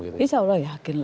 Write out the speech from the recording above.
insya allah yakinlah